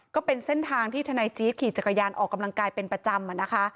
ก็เป็นเส้นทางที่ทนายจี๊ดขี่จักรยานออกกำลังกายเป็นประจำนะคะ